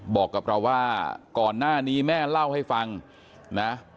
บอกกับเราว่าก่อนหน้านี้แม่เล่าให้ฟังนะ